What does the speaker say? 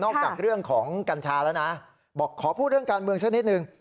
จากเรื่องของกัญชาแล้วนะบอกขอพูดเรื่องการเมืองสักนิดนึง